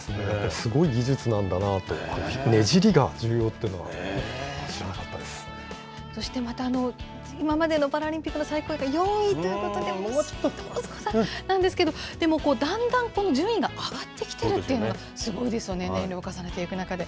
すごい技術なんだなと、ねじりが重要っていうのは知らなかったでそしてまた、今までのパラリンピックの最高位が４位ということで、もう少しなんですけど、でも、だんだんこの順位が上がってきてるっていうのがすごいですよね、年齢を重ねていく中で。